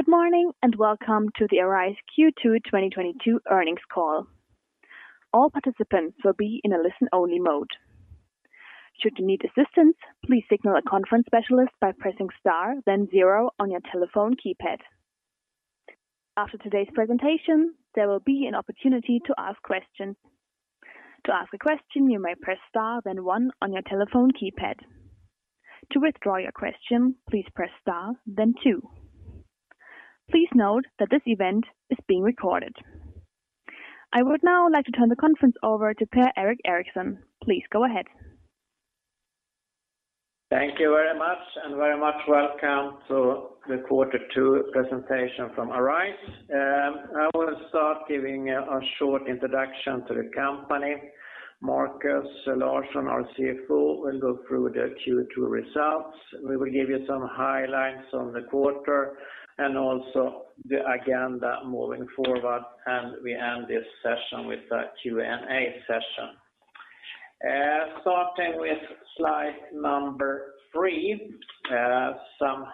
Good morning, and welcome to the Arise Q2 2022 Earnings Call. All participants will be in a listen-only mode. Should you need assistance, please signal a conference specialist by pressing star then zero on your telephone keypad. After today's presentation, there will be an opportunity to ask questions. To ask a question, you may press star then one on your telephone keypad. To withdraw your question, please press star then two. Please note that this event is being recorded. I would now like to turn the conference over to Per-Erik Eriksson. Please go ahead. Thank you very much and very much welcome to the quarter two presentation from Arise. I will start giving a short introduction to the company. Markus Larsson, our CFO, will go through the Q2 results. We will give you some highlights on the quarter and also the agenda moving forward, and we end this session with a Q&A session. Starting with slide three, some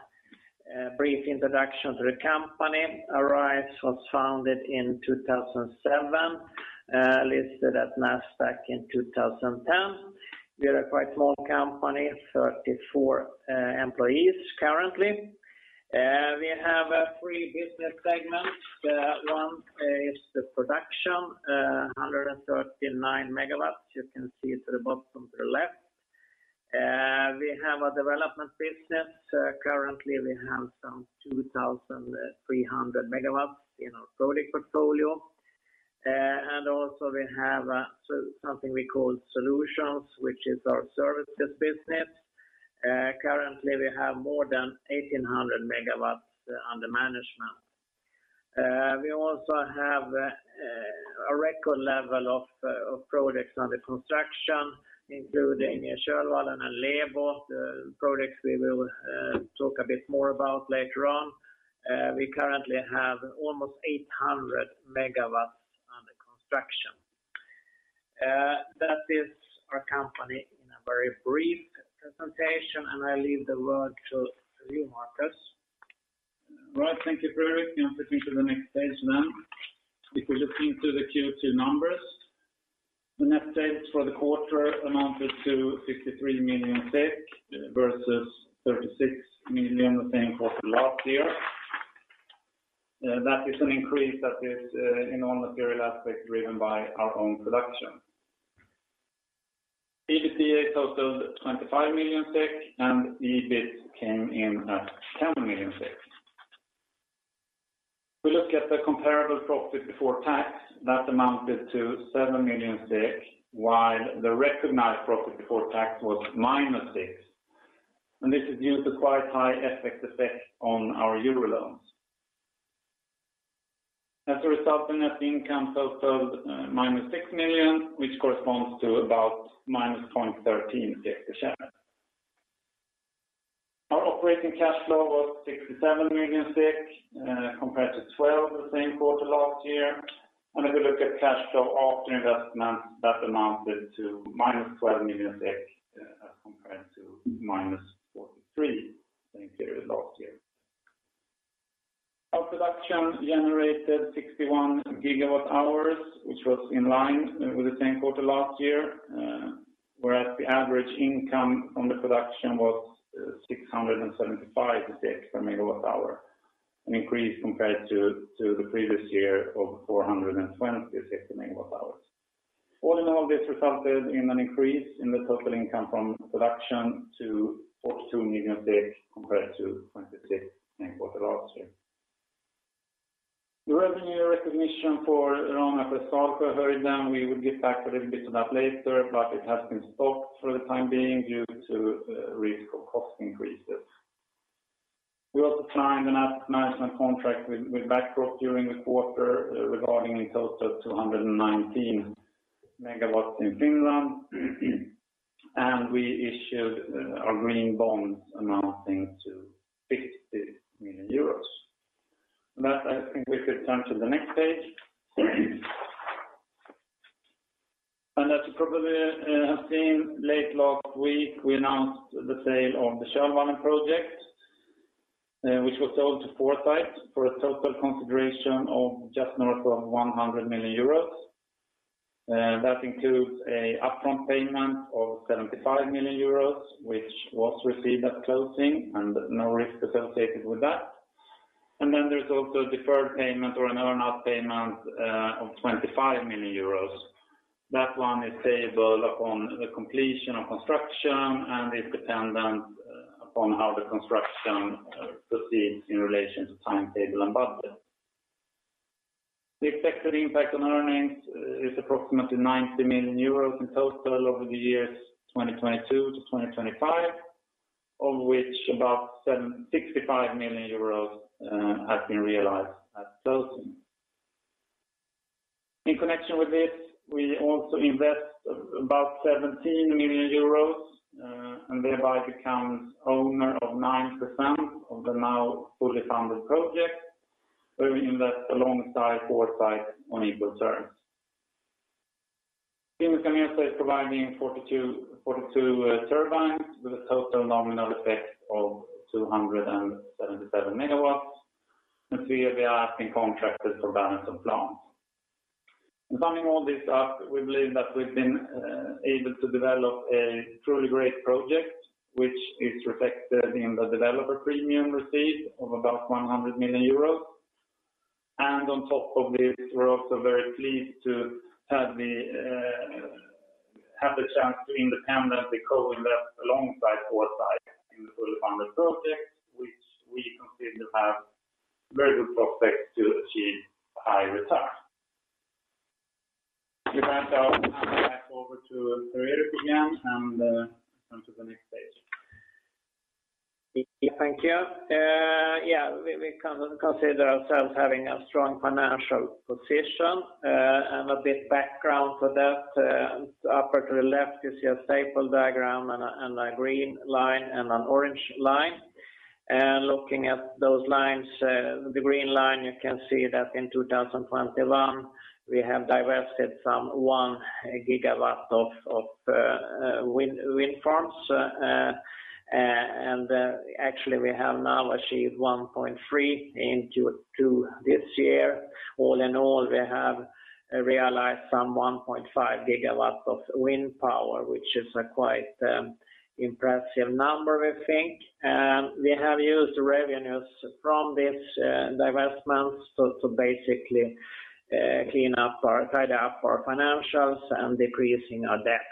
brief introduction to the company. Arise was founded in 2007, listed at Nasdaq in 2010. We are a quite small company, 34 employees currently. We have three business segments. One is the Production, 139 MW, you can see to the bottom to the left. We have a Development business. Currently we have some 2,300 MW in our project portfolio. Also we have something we call solutions, which is our services business. Currently we have more than 1,800 MW under management. We also have a record level of projects under construction, including Tjärvallen and Lebo, the projects we will talk a bit more about later on. We currently have almost 800 MW under construction. That is our company in a very brief presentation, and I leave the word to you, Markus. Right. Thank you, Per-Erik. You can flip into the next page then. If we look into the Q2 numbers, the net sales for the quarter amounted to 63 million versus 36 million the same quarter last year. That is an increase that is in all material aspects driven by our own production. EBITDA totaled 25 million SEK, and EBIT came in at 10 million SEK. If we look at the comparable profit before tax, that amounted to 7 million SEK, while the recognized profit before tax was -6 million. This is due to quite high FX effect on our Euro loans. As a result, the net income totaled -6 million, which corresponds to about minus 0.13 per share. Our operating cash flow was 67 million compared to 12 million the same quarter last year. If you look at cash flow after investment, that amounted to -12 million SEK as compared to -43 million the same period last year. Our Production generated 61 GWh, which was in line with the same quarter last year, whereas the average income from the Production was 675 per MWh, an increase compared to the previous year of 420 per MWh. All in all, this resulted in an increase in the total income from Production to 42 million compared to 26 million the same quarter last year. The revenue recognition for Ranasjö-Salsjöhöjden. We will get back a little bit to that later, but it has been stopped for the time being due to risk of cost increases. We also signed an asset management contract with BlackRock during the quarter regarding a total of 219 MW in Finland. We issued our green bonds amounting to 50 million euros. That, I think we could turn to the next page. As you probably have seen late last week, we announced the sale of the Tjärvallen project which was sold to Foresight for a total consideration of just north of 100 million euros. That includes an upfront payment of 75 million euros, which was received at closing and no risk associated with that. Then there's also a deferred payment or an earn-out payment of 25 million euros. That one is payable upon the completion of construction and is dependent upon how the construction proceeds in relation to timetable and budget. The expected impact on earnings is approximately 90 million euros in total over the years 2022-2025, of which about 75 million euros has been realized at closing. In connection with this, we also invest about 17 million euros and thereby become owner of 9% of the now fully funded project. We invest alongside Foresight on equal terms. Vestas is providing 42 turbines with a total nominal effect of 277 MW, and they are acting contractors for balance of plant. Summing all this up, we believe that we've been able to develop a truly great project, which is reflected in the developer premium received of about 100 million euros. On top of this, we're also very pleased to have the chance to independently co-invest alongside Foresight in the fully funded project, which we consider have very good prospects to achieve high returns. With that, I'll hand it back over to Per-Erik again, and on to the next page. Thank you. Yeah, we consider ourselves having a strong financial position, and a bit of background for that, up to the left, you see a bar diagram and a green line and an orange line. Looking at those lines, the green line, you can see that in 2021, we have divested some 1 GW of wind farms. Actually, we have now achieved 1.3 GW into this year. All in all, we have realized some 1.5 GW of wind power, which is quite an impressive number, we think. We have used revenues from this divestments to basically tidy up our financials and decreasing our debts.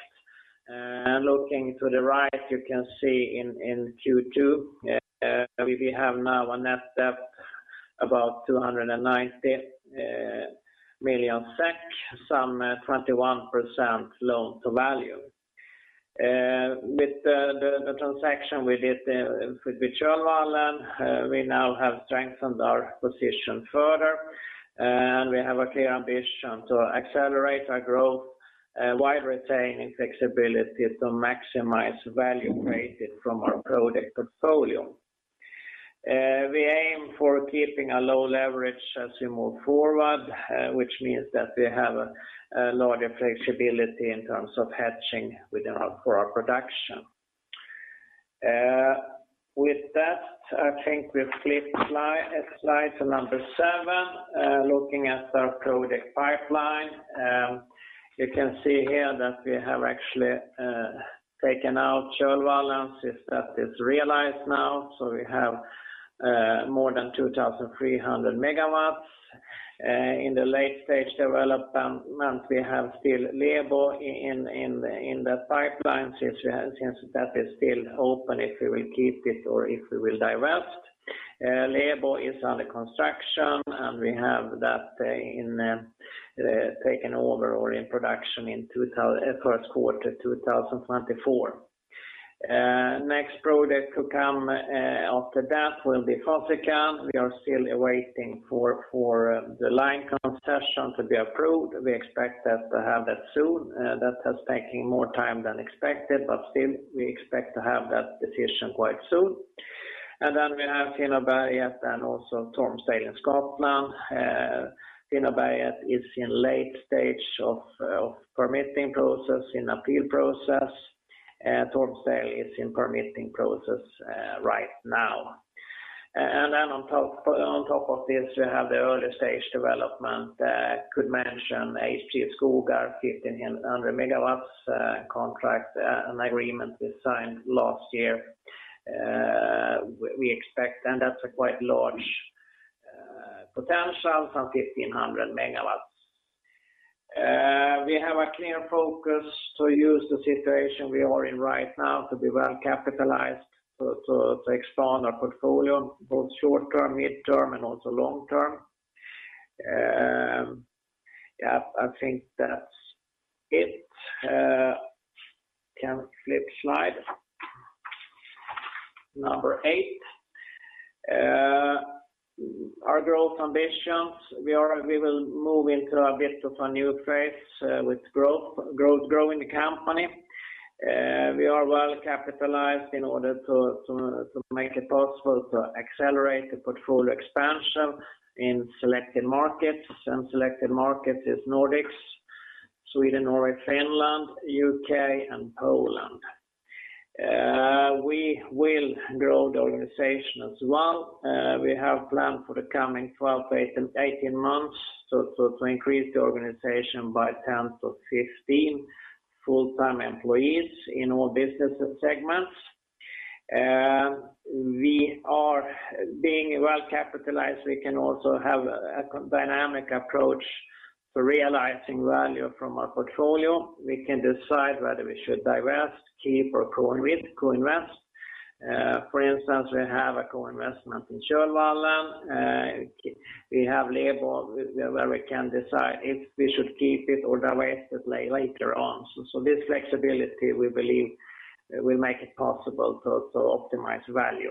Looking to the right, you can see in Q2 we have now a net debt about 290 million SEK, some 21% loan to value. With the transaction we did with Tjärvallen, we now have strengthened our position further, and we have a clear ambition to accelerate our growth while retaining flexibility to maximize value created from our product portfolio. We aim for keeping a low leverage as we move forward, which means that we have a larger flexibility in terms of hedging for our production. With that, I think we flip to slide number seven, looking at our product pipeline. You can see here that we have actually taken out Tjärvallen since that is realized now. We have more than 2,300 MW in the late-stage development. We have still Lebo in the pipeline since that is still open, if we will keep it or if we will divest. Lebo is under construction, and we have that in taken over or in production in first quarter 2024. Next project to come after that will be Fasikan. We are still awaiting for the line concession to be approved. We expect to have that soon. That has taken more time than expected, but still we expect to have that decision quite soon. Then we have Tinnaberget and also Stormyrberget-Skallberget. Tinnaberget is in late stage of permitting process, in appeal process. Stormsdalen is in permitting process right now. On top of this, we have the early stage development. Could mention HT Skogar, 1,500 MW, contract, an agreement we signed last year. We expect, and that's a quite large potential, some 1,500 MW. We have a clear focus to use the situation we are in right now to be well-capitalized to expand our portfolio, both short-term, mid-term, and also long-term. Yeah, I think that's it. Can flip slide. Number eight, our growth ambitions, we will move into a bit of a new phase with growth, growing the company. We are well capitalized in order to make it possible to accelerate the portfolio expansion in selected markets. Selected markets is Nordics, Sweden, Norway, Finland, U.K., and Poland. We will grow the organization as well. We have planned for the coming 12-18 months to increase the organization by 10-15 full-time employees in all business segments. We are being well capitalized. We can also have a dynamic approach to realizing value from our portfolio. We can decide whether we should divest, keep or co-invest. For instance, we have a co-investment in Tjärvallen. We have Lebo where we can decide if we should keep it or divest it later on. This flexibility we believe will make it possible to optimize value.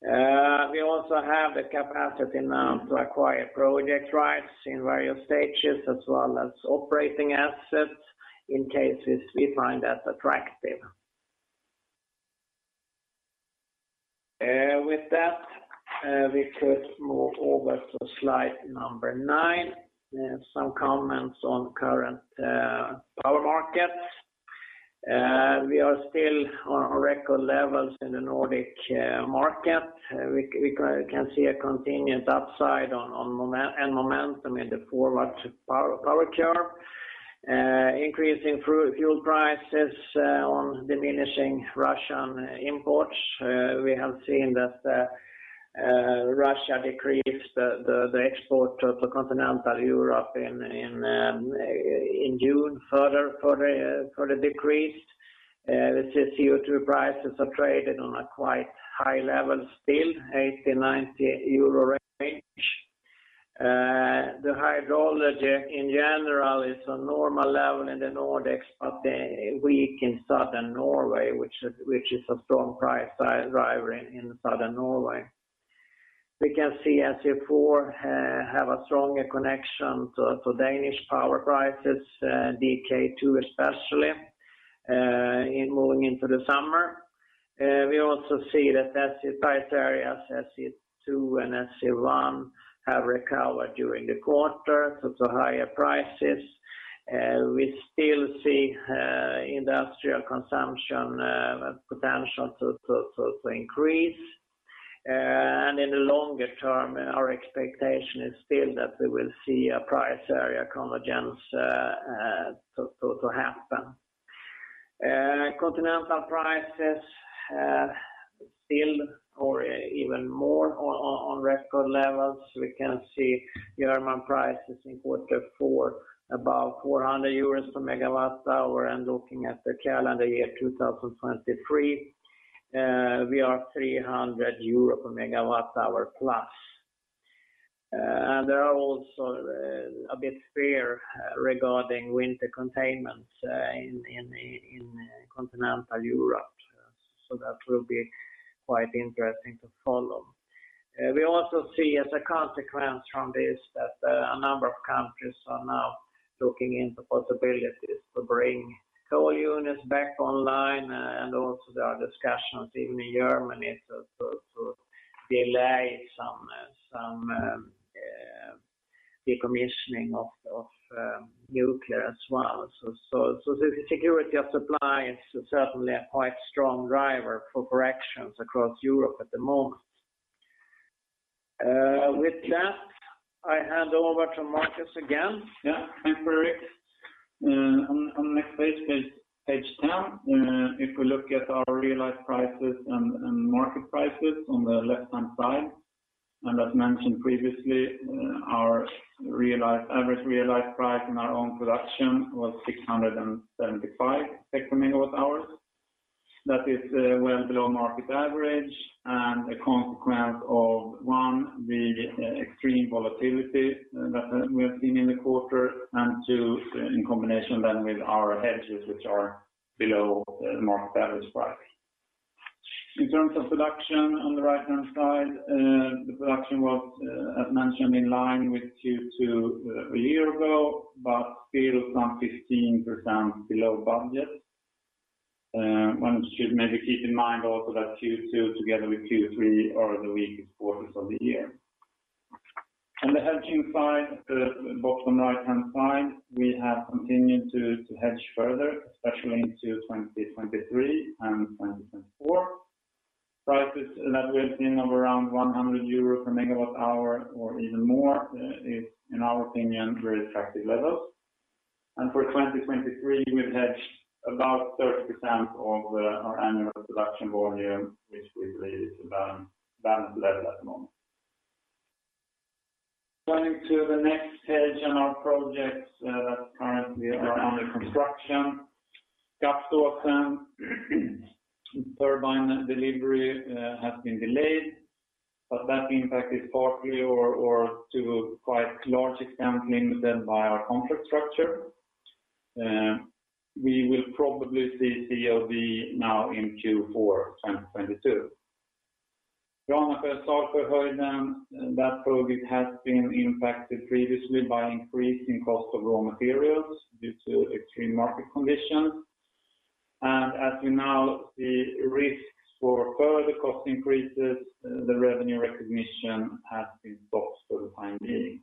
We also have the capacity now to acquire project rights in various stages as well as operating assets in cases we find that attractive. With that, we could move over to slide number nine. Some comments on current power markets. We are still on record levels in the Nordic market. We can see a continued upside on momentum in the forward power curve. Increasing fuel prices on diminishing Russian imports. We have seen that Russia decreased the export to continental Europe in June further for the decrease. The CO₂ prices are traded on a quite high level still, 80-90 euro range. The hydrology in general is a normal level in the Nordics, but weak in Southern Norway, which is a strong price driver in Southern Norway. We can see SE4 have a stronger connection to Danish power prices, DK2 especially, in moving into the summer. We also see that the price areas, SE2 and SE1, have recovered during the quarter to higher prices. We still see industrial consumption potential to increase. In the longer term, our expectation is still that we will see a price area convergence to happen. Continental prices still or even more on record levels. We can see German prices in quarter four, about 400 euros per MWh. Looking at the calendar year 2023, we are EUR 300 per MWh+. There are also a bit of fear regarding winter constraints in continental Europe. That will be quite interesting to follow. We also see as a consequence from this that a number of countries are now looking into possibilities to bring coal units back online. Also, there are discussions even in Germany to delay some decommissioning of nuclear as well. The security of supply is certainly a quite strong driver for corrections across Europe at the moment. With that, I hand over to Markus again. Yeah, thank you, Per-Erik. On next page 10. If we look at our realized prices and market prices on the left-hand side. As mentioned previously, our average realized price in our own production was 675 per MWh. That is well below market average, and a consequence of one, the extreme volatility that we have seen in the quarter, and two, in combination then with our hedges, which are below the market average price. In terms of production on the right-hand side, the production was, as mentioned, in line with Q2 a year ago, but still 15% below budget. One should maybe keep in mind also that Q2 together with Q3 are the weakest quarters of the year. On the hedging side, bottom right-hand side, we have continued to hedge further, especially into 2023 and 2024. Prices that we've seen of around 100 euros per MWh or even more is in our opinion very attractive levels. For 2023, we've hedged about 30% of our annual production volume, which we believe is a balanced level at the moment. Going to the next page on our projects that currently are under construction. Skaftåsen turbine delivery has been delayed, but that impact is partly or to quite large extent mitigated by our contract structure. We will probably see COD now in Q4 2022. Ranasjö-Salsjöhöjden, that project has been impacted previously by increase in cost of raw materials due to extreme market conditions. As we now see risks for further cost increases, the revenue recognition has been stopped for the time being.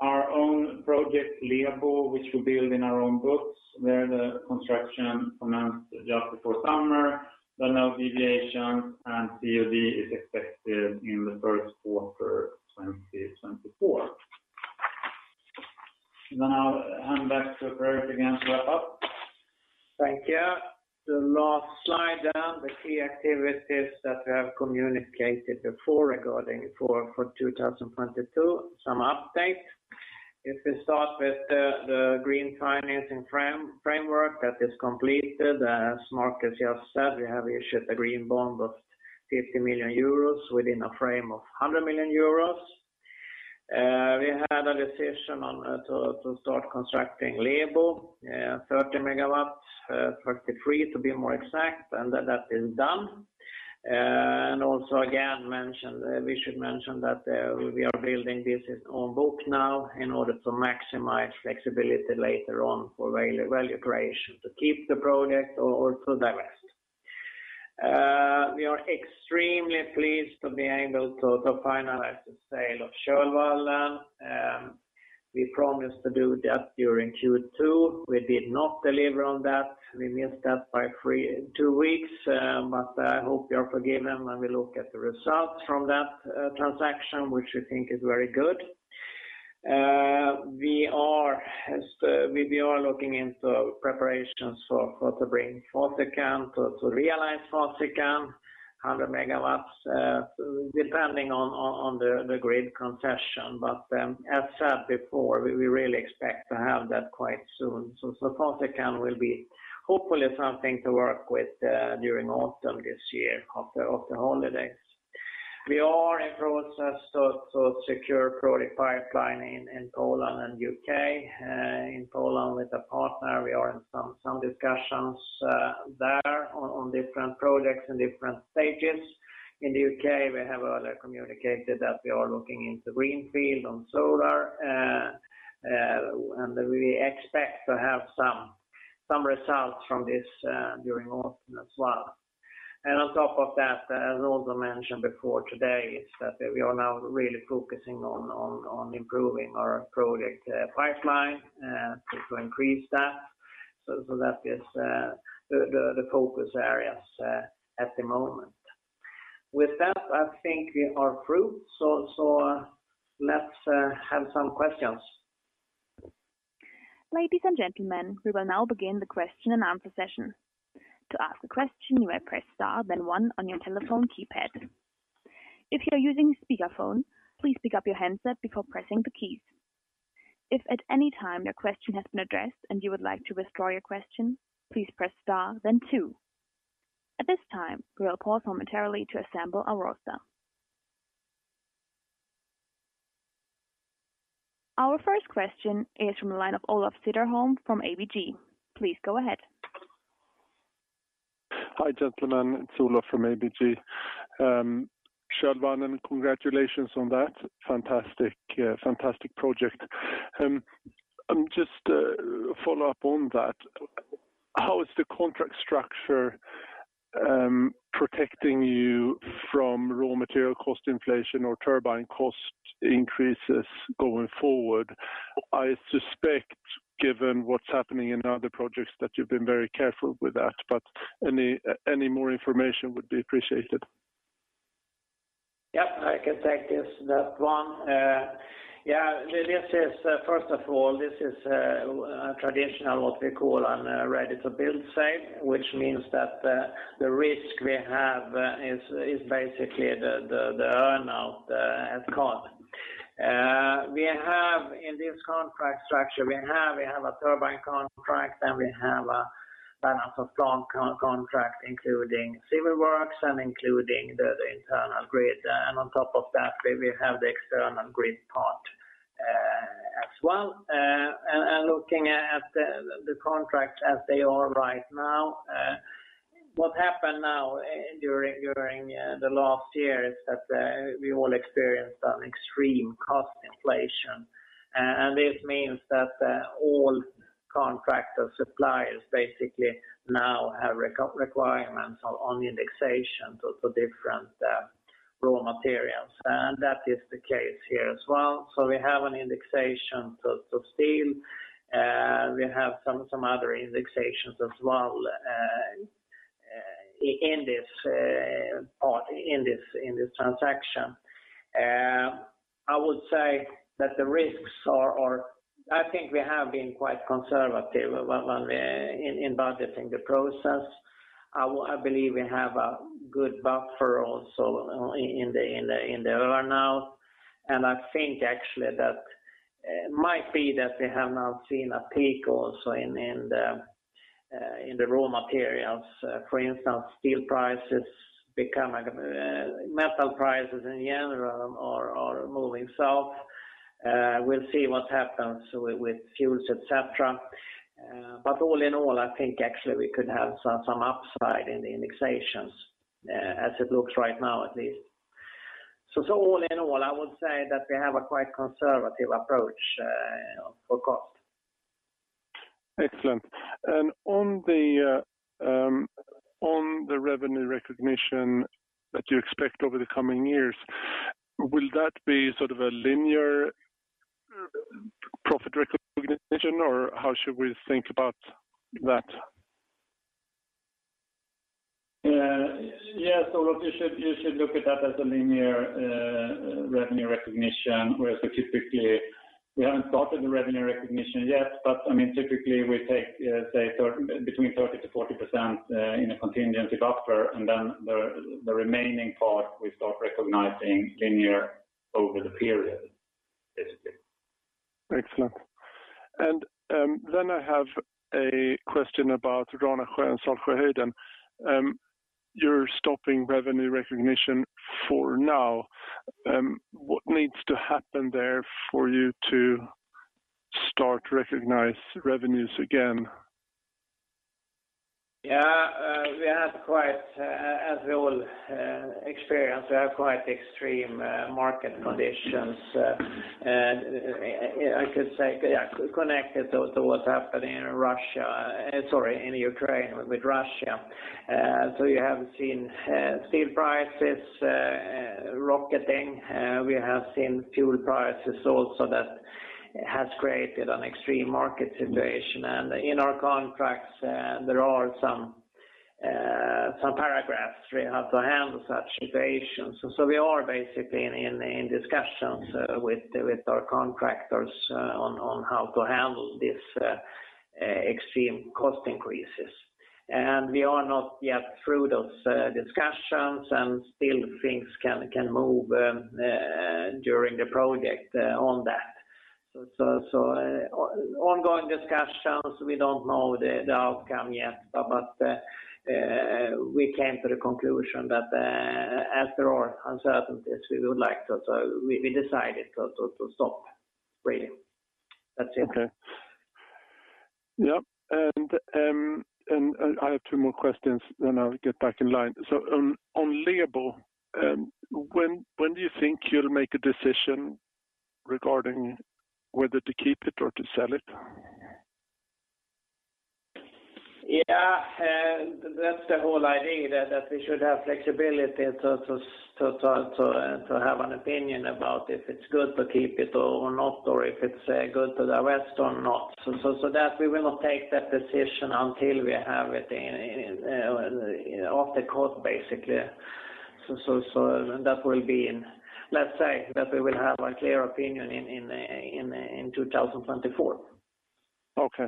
Our own project, Lebo, which we build in our own books, where the construction commenced just before summer, there are no deviations, and COD is expected in the first quarter 2024. Now, I hand back to Per-Erik again to wrap up. Thank you. The last slide, the key activities that we have communicated before regarding 2022, some update. If we start with the green financing framework that is completed, as Markus just said, we have issued a green bond of 50 million euros within a frame of 100 million euros. We had a decision to start constructing Lebo, 30 MW, 33 MW to be more exact, and that is done. Also again mentioned, we should mention that, we are building this on book now in order to maximize flexibility later on for value creation, to keep the project or to divest. We are extremely pleased to be able to finalize the sale of Tjärvallen. We promised to do that during Q2. We did not deliver on that. We missed that by three. Two weeks, but I hope you are forgiven when we look at the results from that transaction, which we think is very good. We are looking into preparations for to bring Fasikan, to realize Fasikan, 100 MW, depending on the grid concession. As said before, we really expect to have that quite soon. Fasikan will be hopefully something to work with, during autumn this year after holidays. We are in process to secure project pipeline in Poland and U.K. In Poland with a partner, we are in some discussions, there on different projects and different stages. In the U.K., we have earlier communicated that we are looking into greenfield on solar. We expect to have some results from this during autumn as well. On top of that, as also mentioned before today, is that we are now really focusing on improving our project pipeline to increase that. That is the focus areas at the moment. With that, I think we are through. Let's have some questions. Ladies, and gentlemen, we will now begin the question-and-answer session. To ask a question, you may press star then one on your telephone keypad. If you are using speakerphone, please pick up your handset before pressing the keys. If at any time your question has been addressed and you would like to withdraw your question, please press star then two. At this time, we will pause momentarily to assemble our roster. Our first question is from the line of Olof Cederholm from ABG. Please go ahead. Hi, gentlemen. It's Olof from ABG. Tjärvallen, congratulations on that. Fantastic project. Just follow up on that. How is the contract structure protecting you from raw material cost inflation or turbine cost increases going forward? I suspect, given what's happening in other projects, that you've been very careful with that, but any more information would be appreciated. Yeah, I can take this, that one. Yeah, this is, first of all, a traditional what we call a ready-to-build sale, which means that the risk we have is basically the earn-out, as called. We have in this contract structure a turbine contract, and we have a balance of plant contract, including civil works and including the internal grid. On top of that, we have the external grid part, as well. Looking at the contract as they are right now, what happened now during the last year is that we all experienced an extreme cost inflation. This means that all contractor suppliers basically now have requirements on indexation to different raw materials. That is the case here as well. We have an indexation to steel, we have some other indexations as well in this part, in this transaction. I would say that the risks are. I think we have been quite conservative in budgeting the process. I believe we have a good buffer also in the earn-out. I think actually that it might be that we have now seen a peak also in the raw materials. For instance, steel prices, metal prices in general are moving south. We'll see what happens with fuels, et cetera. But all in all, I think actually we could have some upside in the indexations as it looks right now at least. All in all, I would say that we have a quite conservative approach for cost. Excellent. On the revenue recognition that you expect over the coming years, will that be sort of a linear profit recognition or how should we think about that? Yes, Olof, you should look at that as a linear revenue recognition, whereas typically we haven't started the revenue recognition yet. I mean, typically we take, say, between 30%-40% in a contingency buffer, and then the remaining part we start recognizing linear over the period, basically. Excellent. I have a question about Ranasjö-Salsjöhöjden. You're stopping revenue recognition for now. What needs to happen there for you to start recognize revenues again? As we all experience, we have quite extreme market conditions, and I could say, connected to what's happening in Russia, sorry, in Ukraine with Russia. You have seen steel prices rocketing, we have seen fuel prices also that has created an extreme market situation. In our contracts, there are some paragraphs we have to handle such situations. We are basically in discussions with our contractors on how to handle this extreme cost increases. We are not yet through those discussions and still things can move during the project on that. Ongoing discussions, we don't know the outcome yet, but we came to the conclusion that as there are uncertainties, we decided to stop really. That's it. Okay. Yep, I have two more questions, then I'll get back in line. On Lebo, when do you think you'll make a decision regarding whether to keep it or to sell it? Yeah, that's the whole idea that we should have flexibility to have an opinion about if it's good to keep it or not, or if it's good to divest or not. That we will not take that decision until we have it in ready-to-build, basically. That will be. Let's say that we will have a clear opinion in 2024. Okay.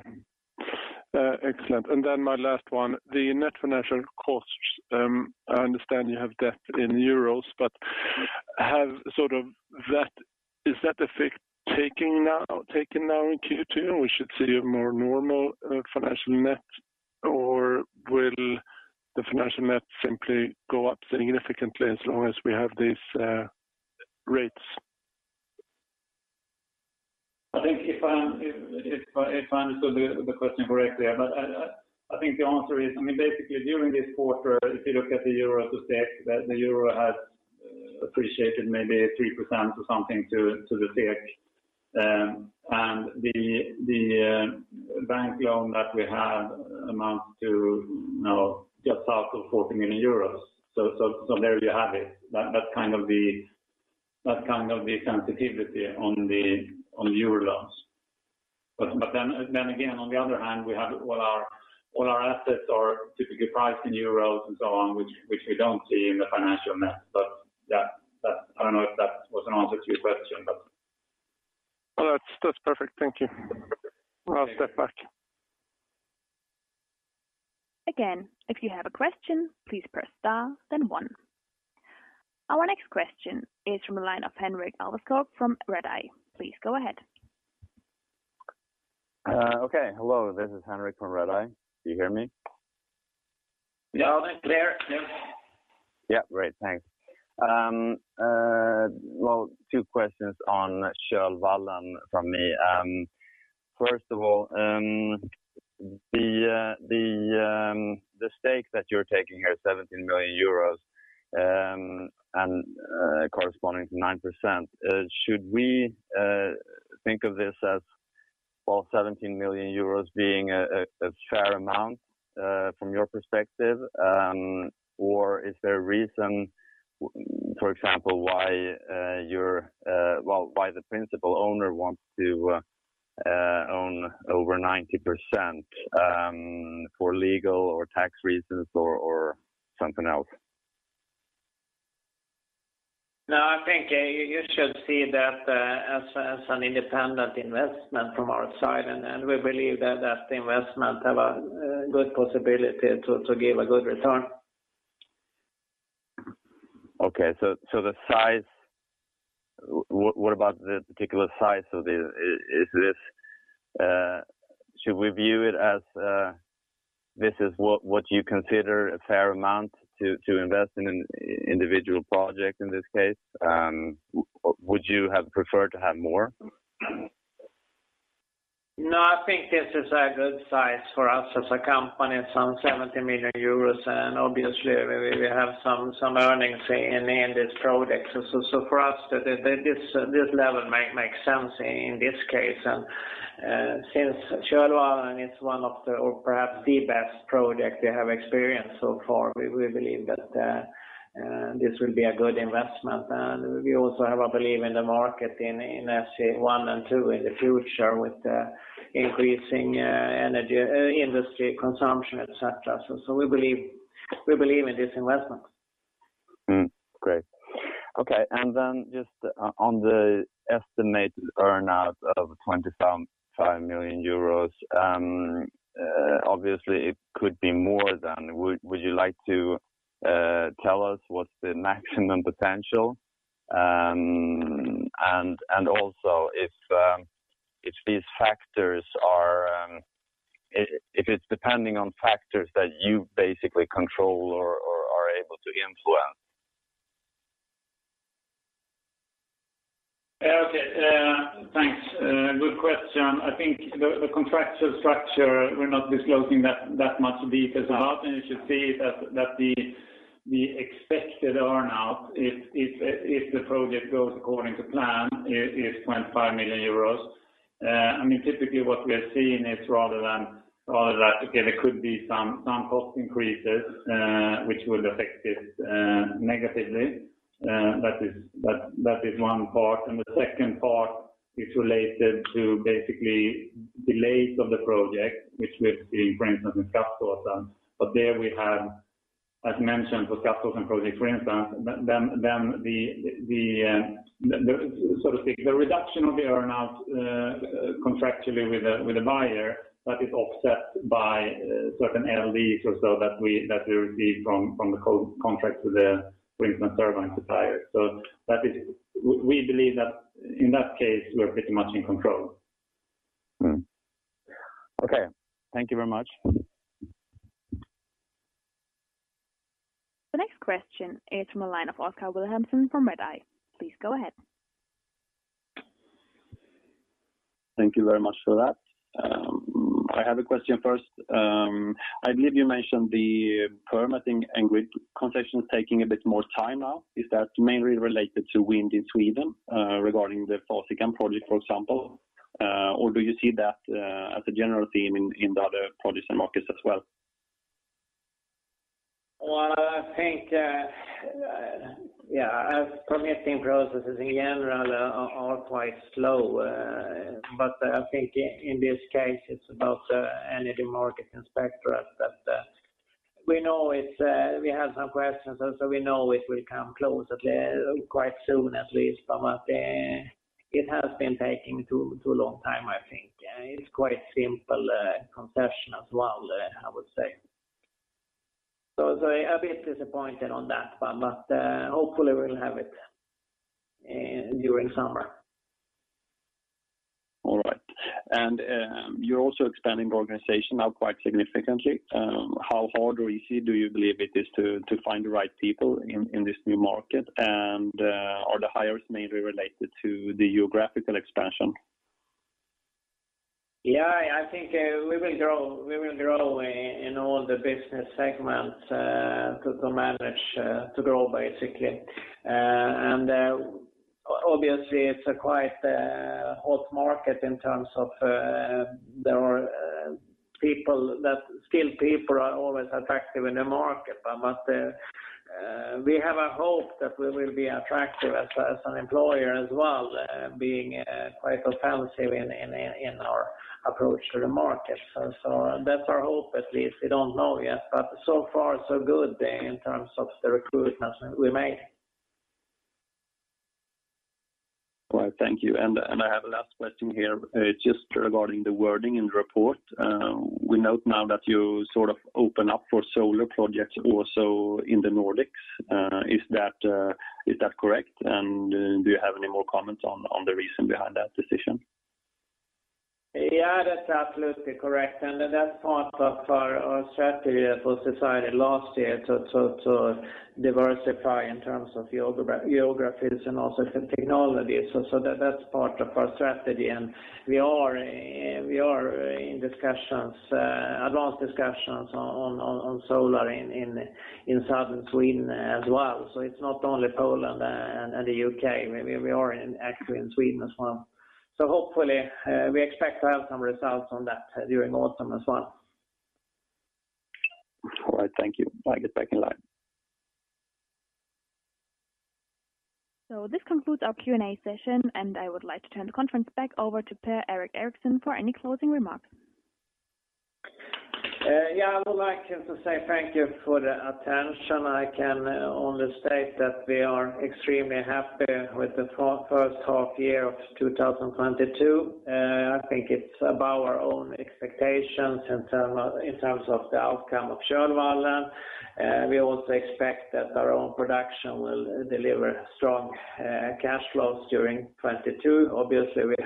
Excellent. My last one, the net financial costs. I understand you have debt in euros. Is that FX effect taking now in Q2? We should see a more normal financial net, or will the financial net simply go up significantly as long as we have these rates? I think if I understood the question correctly. I think the answer is, I mean, basically, during this quarter, if you look at the EUR to SEK, the EUR has appreciated maybe 3% or something to the SEK. The bank loan that we have amounts to now just south of 14 million euros. There you have it. That's kind of the sensitivity on euro loans. Then again, on the other hand, we have all our assets are typically priced in euros and so on, which we don't see in the financial net. Yeah, that. I don't know if that was an answer to your question. No, that's perfect. Thank you. I'll step back. Again, if you have a question, please press star then one. Our next question is from the line of Henrik Alveskog from Redeye. Please go ahead. Okay. Hello, this is Henrik from Redeye. Do you hear me? Yeah, loud and clear. Yep. Yeah. Great. Thanks. Two questions on Tjärvallen from me. First of all, the stake that you're taking here, 17 million euros, and corresponding to 9%, should we think of this as, well, 17 million euros being a fair amount from your perspective? Or is there a reason, for example, why the principal owner wants to own over 90%, for legal or tax reasons or something else? No, I think you should see that as an independent investment from our side. We believe that investment have a good possibility to give a good return. What about the particular size of this? Is this what you consider a fair amount to invest in an individual project in this case? Would you have preferred to have more? No, I think this is a good size for us as a company, some 17 million euros, and obviously we have some earnings in this project. For us, this level makes sense in this case. Since Tjärvallen is one of the or perhaps the best project we have experienced so far, we believe that this will be a good investment. We also have a belief in the market in SE1 and SE2 in the future with the increasing energy industry consumption, et cetera. We believe in this investment. Great. Okay, just on the estimated earn out of 25 million euros, obviously it could be more than. Would you like to tell us what's the maximum potential? Also if these factors are, if it's depending on factors that you basically control or are able to influence. Yeah. Okay, thanks. Good question. I think the contractual structure, we're not disclosing that much details about, and you should see that the expected earn-out if the project goes according to plan is 25 million euros. I mean, typically what we are seeing is rather than, okay, there could be some cost increases, which will affect it negatively. That is one part. The second part is related to basically delays of the project, which we've seen, for instance, in Skaftåsen. But there we have, as mentioned, for Skaftåsen and projects, for instance. To speak, the reduction of the earn-out contractually with a buyer that is offset by certain LDs or so that we receive from the counterparty, for instance, turbine suppliers. That is. We believe that in that case, we're pretty much in control. Mm-hmm. Okay. Thank you very much. The next question is from a line of Oskar Vilhelmsson from Redeye. Please go ahead. Thank you very much for that. I have a question first. I believe you mentioned the permitting and grid concessions taking a bit more time now. Is that mainly related to wind in Sweden, regarding the Fasikan project, for example? Do you see that as a general theme in the other projects and markets as well? Well, I think, yeah, as permitting processes in general are quite slow, but I think in this case it's about Energy Markets Inspectorate that we know it's we have some questions and so we know it will come close quite soon, at least from what it has been taking too long time, I think. It's quite simple concession as well, I would say. A bit disappointed on that one, but hopefully we'll have it during summer. All right. You're also expanding the organization now quite significantly. How hard or easy do you believe it is to find the right people in this new market? Are the hires mainly related to the geographical expansion? Yeah, I think we will grow in all the business segments to manage to grow basically. Obviously it's a quite hot market in terms of skilled people are always attractive in the market, but we have a hope that we will be attractive as an employer as well, being quite offensive in our approach to the market. That's our hope, at least. We don't know yet, but so far so good in terms of the recruitment we made. All right. Thank you. I have a last question here, just regarding the wording in the report. We note now that you sort of open up for solar projects also in the Nordics. Is that correct? Do you have any more comments on the reason behind that decision? Yeah, that's absolutely correct. That's part of our strategy that was decided last year to diversify in terms of geographies and also technologies. That's part of our strategy and we are in advanced discussions on solar in Southern Sweden as well. It's not only Poland and the U.K. We are actually in Sweden as well. Hopefully, we expect to have some results on that during autumn as well. All right. Thank you. I get back in line. This concludes our Q&A session, and I would like to turn the conference back over to Per-Erik Eriksson for any closing remarks. Yeah, I would like just to say thank you for the attention. I can only state that we are extremely happy with the first half year of 2022. I think it's above our own expectations in terms of the outcome of Tjärvallen. We also expect that our own production will deliver strong cash flows during 2022. Obviously, we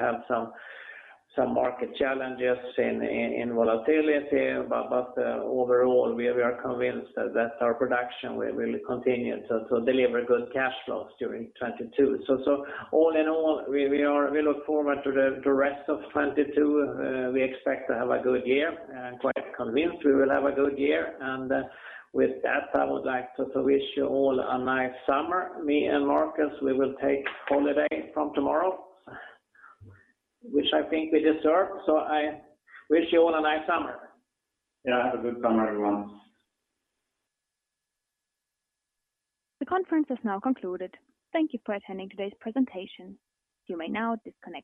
have some market challenges in volatility, but overall, we are convinced that our production will continue to deliver good cash flows during 2022. So all in all, we look forward to the rest of 2022. We expect to have a good year, quite convinced we will have a good year. With that, I would like to wish you all a nice summer. Me and Markus, we will take holiday from tomorrow, which I think we deserve. I wish you all a nice summer. Yeah. Have a good summer, everyone. The conference is now concluded. Thank you for attending today's presentation. You may now disconnect.